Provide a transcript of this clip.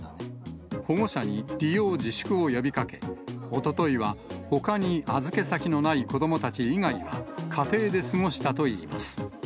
保護者に利用自粛を呼びかけ、おとといは、ほかに預け先のない子どもたち以外は、家庭で過ごしたといいます。